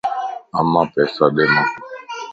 امان پيسا ڏي مانک